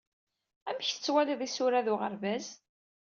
Amek tettwaliḍ isurad uɣerbaz?